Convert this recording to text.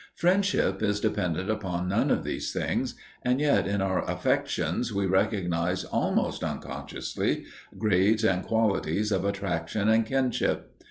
Friendship is dependent upon none of these things, and yet in our affections we recognize, almost unconsciously, grades and qualities of attraction and kinship.